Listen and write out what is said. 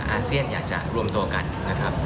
อาเซียนอยากจะรวมตัวกันนะครับ